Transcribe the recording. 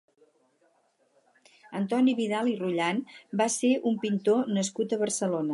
Antoni Vidal i Rolland va ser un pintor nascut a Barcelona.